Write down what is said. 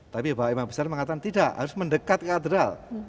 tapi bapak imam besar mengatakan tidak harus mendekat katedral